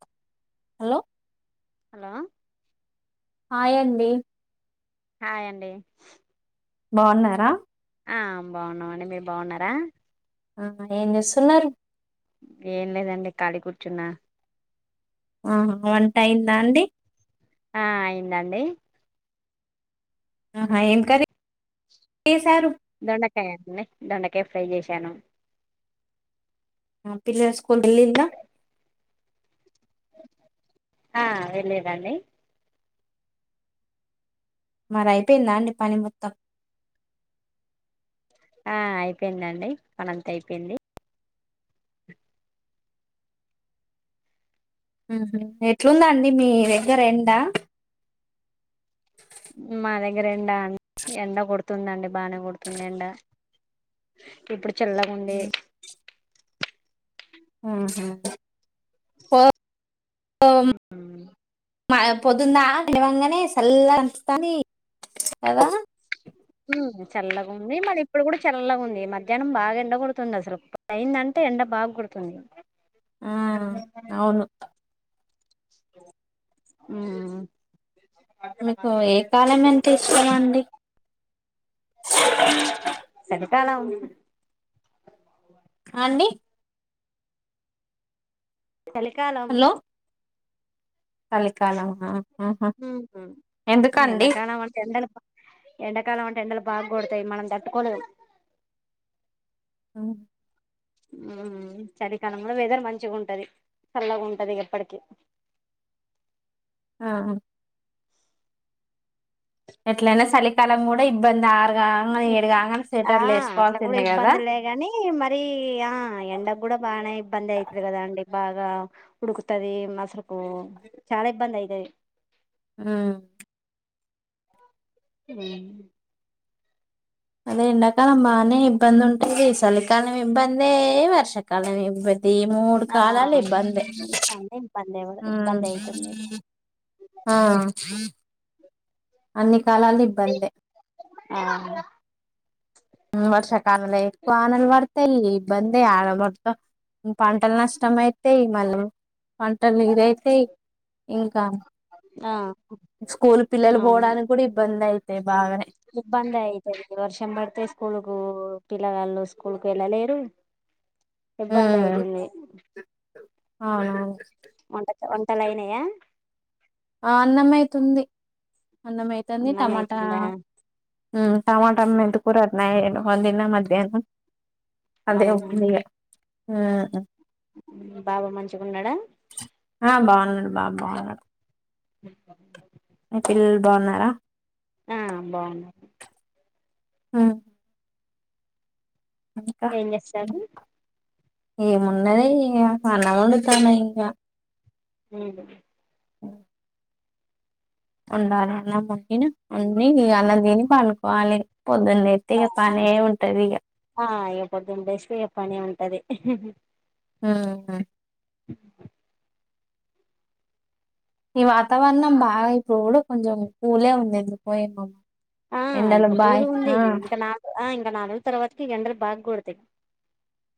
ప్చ్ hello hello హాయంది. హాయండి. ప్చ్ బాగున్నారా ఆ బాగున్నమండి. మీరు బాగున్నారా ఆ ఏం జేస్తున్నారు ఏం లేదండి ఖాళీ కూర్చున్నా ఆహా వంటయ్యిందా అండి ఆ అయిందండి ఆహా ఏం కర్రీ చేశారు దొండకాయండి దొండకాయ ఫ్రై చేశాను పిల్ల స్కూల్ కెళ్ళిందా ఆ వెళ్ళేదండి మరైపోయిందా అండి పని మొత్తం ఆ అయిపోయిందండి పనంతా అయిపోయింది మ్ హూ ఎట్లుందండి మీ దగ్గర ఎండా మా దగ్గర ఎంండ ఎండ కొడుతుందండి బానే కొడుతుంది ఎండ ఇప్పుడు చల్లగుంది ఊహూ [unintelligible] మా పొద్దుందా లేవంగానే చల్లగనిపిస్తాంది కదా మ్మ్ చల్లగుంది మళ్ళిప్పుడు కూడా చల్లగుంది మధ్యాహ్నం బాగా ఎండ కొడుతుంది అసలు [unintelligible] అయిందంటే ఎండ బాగా కొడుతుంది ఆ అవును ఉమ్మ్ మీకు ఏ కాలం అంటే ఇష్టం అండి సరే కాలం అండి చలికాలం చలికాలం ఆ [unintelligible] ఎండ కాలమంటే ఎండల ఎండాకాలం అంటే ఎండలు బాగ కొడతాయి మనం తట్టుకోలేము ఉమ్ ఉమ్మ్ చలికాలం కూడా వెదర్ మంచిగుంటది చల్లగుంటదిగ ఎప్పటికి ఆహా ఎట్లయినా చలికాలం కూడా ఇబ్బంది ఆర్ ఆ అట్లా కూడా కదా ఇబ్బందులేగాని మరి ఆ ఎండకు కూడా బానే ఇబ్బందైతుంది కదాండి బాగా ఉడుకుతది అసలుకు చాలా ఇబ్బంది అయితది ఉమ్ ఉమ్మ్ అదే ఎండాకాలం బానే ఇబ్బంది ఉంటుంది చలికాలం ఇబ్బందే వర్షాకాలం ఇబ్బంది ది మూడు ఆ కాలాలు ఇబ్బందే ఇబ్బంది మ్మ్ ఇబ్బంది అయితుంది ఆ అన్నీ చాలానే ఇబ్బందే ఆ మ్ వర్షా కాలలే వానలు పడతాయి ఇ ఇబ్బందే ఆడ మొత్తం పంటలు నష్టం అయితయి మళీ పంటలు ఇరై తై ఇంకా ఆ స్కూల్ పిల్లలు పోవడానికి కూడా ఇబ్బంది అయి బాగనే ఇబ్బందే అయితది వర్షం పడితే స్కూల్కు పిల్లగాళ్ళు స్కూల్కు వెళ్ళలేరు ఇబ్బందయితుంది అవునా వంటక వంటలు అయినయా ఆ అన్నమైతుంది అన్నమైతాంది అన్నం టమాటా అయితుందా ఉ టమో అన్నం మెంతి కూర అన్ని [inaudible] వందిన మధ్యాహ్నం అదే ఉంది ఇగ మ్ బావ మంచిగున్నడా ఉ బా బాగున్నాడు మీ పిల్లలు బాగున్నారా ఆ బాగున్నారు మ్ ఏం చేస్తారు ఏ మున్నయి ఇగ అన్నం వండుతాన్న ఇంకా మ్ ఉండాల అన్న మొక్కిన ఉన్నాయి ఇగ అన్నం తిని పనుకోవాలె ఆ ఎ పొద్దున్న లేస్తే ఇగ పనే ఉంటది మ్ హు ఈ వాతావరణం బాగా ఇప్పుడు కూడా కొంచెం కూలే ఉంది ఎందుకు ఏమో మా ఆ ఎండలకు ఇప్పుడు బాయ్ కూలుగ ఉంది ఆ ఇంకా నాలుగు ఆ ఇంకా నాలుగు తర్వాతకి ఎండలు బా కొడత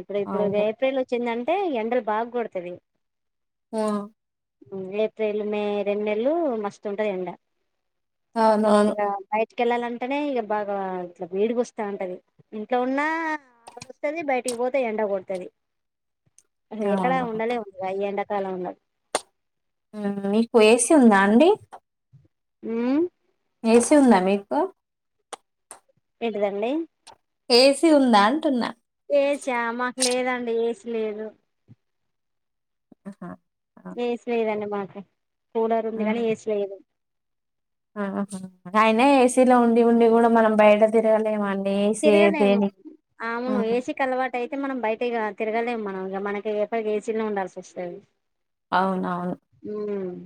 ఇప్పుడు ఇప్పుడు అవును ఏప్రిల్ వచ్చింద అంటే ఎండలు బాగ్ కొడ్తవి వ ఉ ఏప్రిల్ మే రెండు నెలలు మస్తు ఉంటది ఎండ. అవునవును. తీసుకెళ్ళాలంటేనే ఇక బాగా ఇట్లా వేడిగా వస్తాంటది. ఇంట్లో ఉన్నా దగడ్ వస్తది, బయటికి పోతే ఎండ కొడుతది. అహ ఎక్కడ అవును ఉండలేం ఇగా ఈ ఎండ సల్లగున్నది. మీకు ఏసి ఉందా అండి. హ్ ఏ సి ఉందా మీకు. ఏంటిదండి. ఏసీ ఉందా అంటున్నా. ఏసా మాకు లేదండి ఏసి లేదు. అహా ఏ సి లేదండి మా కూలర్ ఉంది గానీ ఏసీ లేదు. అయనా ఏసీలో ఉండి ఉండి కూడ మనం బయట తిరగలేమ తిరగలేము అవును ఏసీకి అలవాటు అయితే మనం బయట ఇగ తిరగలేం మనం ఇగ మనకి ఎప్పటికీ ఏసీలోనే ఉండాల్సి వస్తది. అవునవును. ఉమ్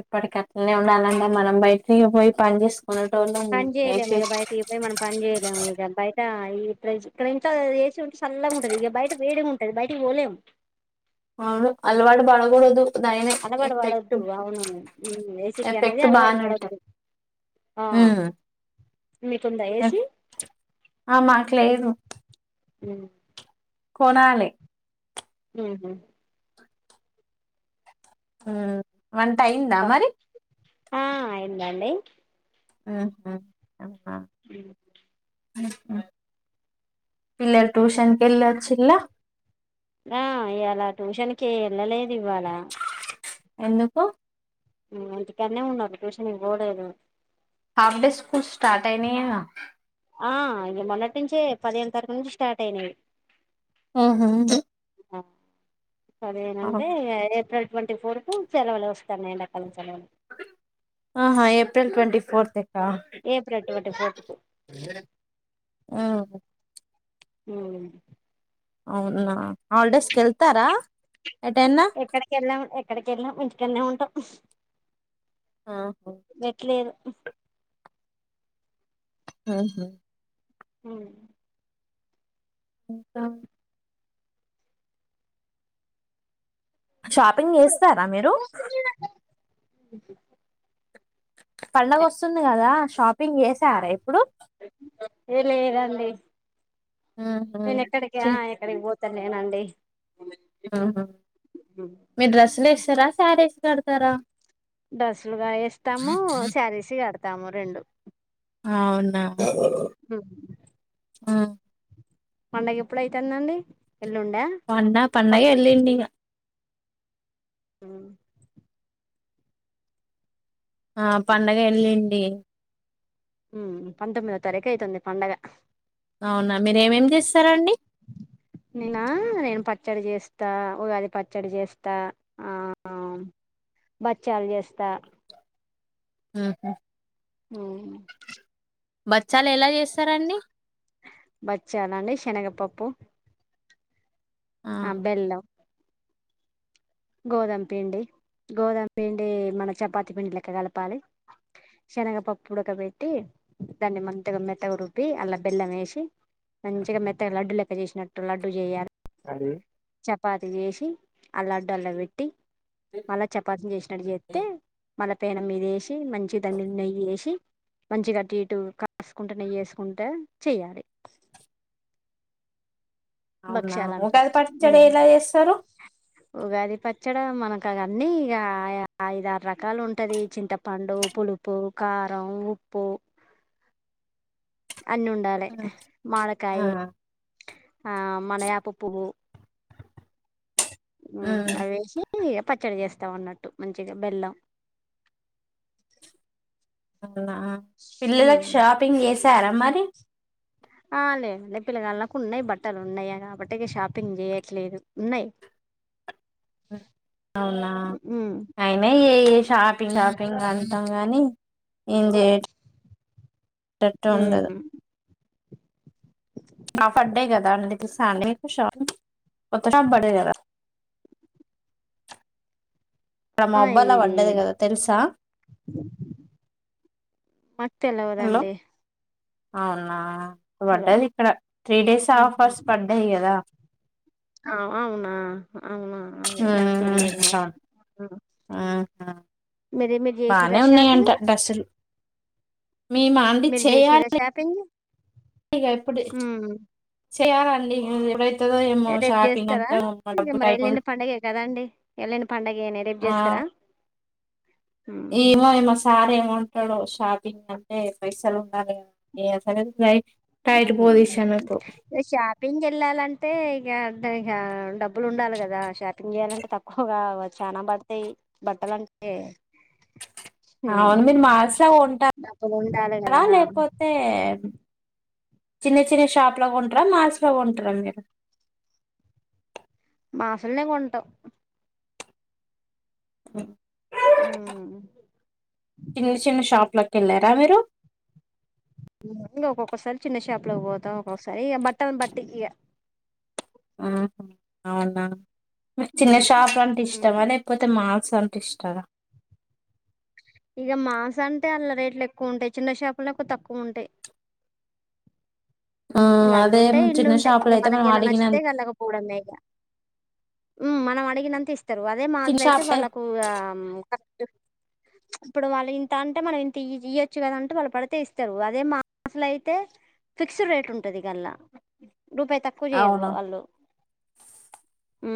ఎప్పటికట్లనే ఉండాలంటే మనం బయటికి ఇగ పోయి పని చేసు పని చేయలేము ఇగ బయటకి పోయి మనం పని చేయలేము ఇగ బ [unintelligible] ఇంట్లో ఏసీ ఉంటే సల్లగా ఉంటది. ఇగ బయట వేడిగ ఉంటది, బయటకి పోలేం. అవును. అలవాటు పడకూడదు దాని అలవాటు ఎఫెక్ట్ పడొద్దు అవును ఏసీకి అనేది ఎఫెక్ట్ అలవాటు బానే ఉంటది పడొద్దు ఆ హ్ మీకుందా ఏసీ ఆ లేదు. హ్మ్ కొనాలే. హుహ్ ఆ వంట అయిందా మరి. ఆ అయిందండి. ఆ హా అవునా. పిల్లల్ ట్యూషన్ కెళ్ళి వచ్చిన్లా. ఆ ఇయ్యాల టూషన్కి వెళ్ళలేదు ఇవాళ. ఎందుకు? ఆ ఇంటికాడనే ఉన్నరు ట్యూషన్ కీ పోలేదు. హాఫ్ డే స్కూల్ స్టార్ట్ అయినయా? ఆ ఇగ మొన్నటి నుంచే పదిహేను తారీఖు నుంచి స్టార్ట్ అయినయి. ఆహా అ సరేనంటే ఇగ ఏప్రిల్ ట్వంటీ ఫోర్ కు సెలవలు వస్తాన్నయి ఎండా కాలం సెలవులు ఆహా ఏప్రిల్ ట్వంటీ ఫోర్త్ ఎక్క ఏప్రిల్ ట్వంటీ ఫోర్త్ కు అవును. ఊ అవునా హల్డేస్ కెల్తారా ఎక్కడకెళ్ళమ్ ఎక్ ఎక్కడికి వెళ్ళం ఇంటికాన్నె ఉంటాం. ఆహా వెట్లేదు ఆహా హు ఇంకా షాపింగ్ చేస్తారా మీరు ఊహు పండగ వస్తుంది కదా షాపింగ్ చేసారా ఇప్పుడు ండి. ఉహు నేను ఎక్కడికా ఎక్కడికి పోత త్తలేనండి. ఆహ మీ డ్రస్సులేస్ స్తర సారీస్ కడతారా డ్రస్సులుగా ఎస్తాము శారీసు కడతాము. డతాము రెండు. అవునా ఉ ఆ పండగ ఎప్పుడైతందండి. పన్న పన్నయ ఎల్లుండిగా ఆ ఆ పండగ ఎల్లుండి. ఊ పంతొమ్మిదో తారీఖు అవుతుంది పండగ అవునా మీరేమేమి చేస్తారండి. నేనా నేను పచ్చడి చేస్తా ఉగాది పచ్చడి చేస్తా ఆ బచ్చాలు చేస్తా ఊహు హూ బచ్చాలు ఎలా చేస్తారండి. బచ్చాలాండి శెనగపప్పు ఆ బెల్లా గోధుమ పిండి గోధామ పిండి మన చపాతి పిండి లెక్క కలపాలి శనగపప్పు ఉడకబెట్టి దాన్ని మంతగా మెత్తగా రుబ్పి అలా బెల్లం వేసి మంచిగా మెత్తగా లడ్డు లెక్క చేసినట్టు లడ్డు చేయాలి చపాతి చేసి అల్లా దాంట్లో పెట్టి మళ్ళా చపాతిని చేసినట్టు చెత్తే మళ్ళా పేన మీద వేసి మంచి దమ్మి నెయ్యిేసి మంచి గటు ఇటు కాసుకుంటే నెయ్యేసుకుంట చెయాలి అవునా ఒకది అంటారు పడ్చడి ఎట్ల చేస్తారు ఉగాది పచ్చడి మనకు అవన్నీ ఇక ఐద ఆరు రకాలు ఉంటది చింతపండు పులుపు కారం ఉప్పు అన్నుండాలి ఉమ్, ఆ మాడకాయి ఆ మలయాపు పువ్వు మ్మ్ ఉమ్, అవేసి ఇగా పచ్చడి చేస్తా ఉన్నట్టు మంచిగా బెల్లం పిల్లలకు షాపింగ్ చేస్ తార మరి ఆ లేదండి పిల్లగాళ్కు ఉన్నాయి బట్టలు ఉన్నాయా కాబట్టికి షాపింగ్ చేయట్లేదు ఉన్నాయి అవునా అయిన ఏ షాపింగ్ షాపింగ్ అంటాం గాని ఏం చేయేటట్టు ఉండదు నా పడ్డే కదా అండిపిస్తా అష కొత్తబడే కదా ఇక్కడ మా ఆ అబ్బాయిలా ఇది పడ్డది కదా తెలుసా మాకు హలో తెలవదండి అవునా హలో పడ్డది ఇక్కడ త్రీ డేస్ ఆఫర్స్ పడ్డాయి కదా అవునా అవునా అదే నాకు తెలియదు మరి మ్మ్ హ్మ్ మీరు మీరు చేసిరా బానే ఉన్నాయింట షాపింగ్ డ్రస్సులు మీ మాంది మీరు చేసిరా చేయాలి షాపింగ్ ఇగా ఇప్పుడే చేయాలా అండి ఇన్ వైప్ రేపు చేస్తారా మరి అయిపోదు ఎల్లిండి పండుగే కదా అండి ఎల్ళని పండుగనే రేపు ఆ చేస్తారా మ్మ్. ఏమో ఏమో సార్ ఏమంటాడో షాపింగ్ అంటే పైసలు ఉండాలి ఏ సరే [inaudible] ఇ షాపింగ్ వెళ్లాలంటే ఇంక అంటే ఇం డబ్బులు ఉండాలి కదా షాపింగ్ చేయాలంటే తక్కువగా చానా పడతాయి బట్టలంటే అవును మీరు మార్స్లా డబ్బులు ఉండాలి ఉంటారుారా కదా లేకపోతే చిన్న చిన్న షాప్లాగా ఉంటారా మాల్స్ లో ఉంటారా మీరు మాసల్నే కొంటాం హ ఆ చిన్న చిన్న షాపులకి వెళ్ళారా మీరు ఇంక ఒక్కొక్కసారి చిన్న షాప్ లో పోతాం ఒక్కొక్కసారి ఇక బట్ట బట్టి ఇక ఆ అవునా కు చిన్న మ్మ్. షాపు అంటే మ్మ్. ఇష్టమా లేకపోతే మా స తీ్రిస్ టకా ఇక మాల్స్ అంటే అళ్లా రేట్లు ఎక్కువ ఉంటాయి చిన్న చేాపలు ఎక్కువ తక్కువ ఉంటాయి ఆ అదే గల్లుుంటాయి చిన్న ఇల్లుంటాయి షాపులో ఇక అయితే మనకి మనం ఇలా అడిగిన నచ్చితే కళ్ళకపోవడం మేక ఉ మనం అడగినంత ఇస్తా తారు అదే చిన్న మాధర అయితే షాపే వాళ్ళకు ఇప్పుడు వాళ్ళు ఇంత అంటే మనం ఇంత ఇయొచ్చు కదంటే వాళ్ళు పడితే ఇస్తారు అదే మాసలు అయితే ఫిక్స్డ్ రేట్ ఉంటుంది ట్టదికలా రూపాయ తక్కువజేరు అవునా అల్ళు హ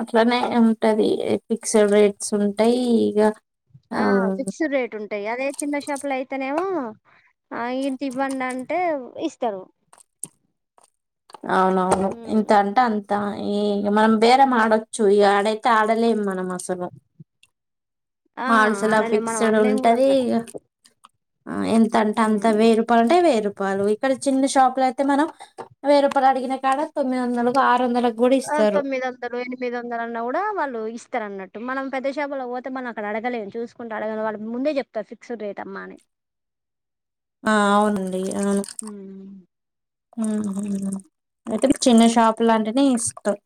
అట్లానే ఉది ఫిక్స్డ్ రేట్స్ ఉంటాయి ఇక ఆ ఫిక్స్ రేట్ ఉంటాయి అదే చిన్న షాపు లో అయితనేమో ఆ ఇంటి ఇ్వండి అంటే ఇస్తారు అవునవును ఇంత హ్మ్ అంటే అంత ఏ మనం బేరేం ఆడొచ్చు ఇక ఆడైతే ఆడలేం మనం అసలు ఆ మాల్స్ అలా అడలే మనం ఫిక్స్డ్ అనలేము కూడా ఉంటది అక్కడ ఆ ఎంత అంట అంతే హ్మ్ రూపాయ అంటే వేరు ప్పళ ఇక్కడ చిన్న షాపులు అయితే మనం వెయ్యి రూపాయలుడిగిన కాడ తొమ్మిది వందలలకు ఆరు వందల ఆ తొమ్మిది వందలు ఎనిమిది వందలు అన్నా కూడా వాళ్ళు ఇస్తారు అన్నట్టు మనం పెద్ద షాపులో పోతే మనం అక్కడ అడగలేము చూసుకుంటే అడగ వాళ్ళకి ముందే చెప్తారు ఫిక్స్డ్ రేట్ అమ్మా అని ఆ అవునండి అ ఉమ్ అయితే చిన్న షాపు లాంటినే ఇస్తం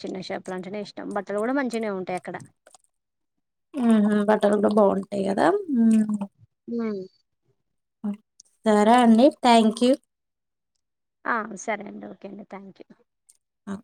చిన్న షాపులు అంటేనే ఇష్టం బట్టలు కూడా మంచినే ఉంటాయి అక్కడ ఆ బట్టాలు కూడా బాగుంటాయి కదా హ సరే అండి థ్యాంక్ యూ సరే అండి ఓకే అండి థ్యాంక్ యూ అ